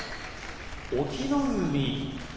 隠岐の海